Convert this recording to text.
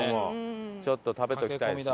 ちょっと食べておきたいですね。